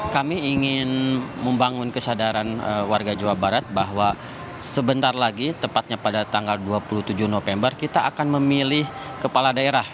kami ingin membangun kesadaran warga jawa barat bahwa sebentar lagi tepatnya pada tanggal dua puluh tujuh november kita akan memilih kepala daerah